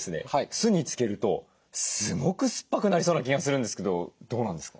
酢に漬けるとすごく酸っぱくなりそうな気がするんですけどどうなんですか？